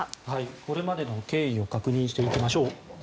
これまでの経緯を確認していきましょう。